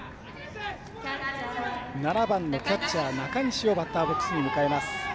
７番のキャッチャー中西をバッターボックスに迎えます。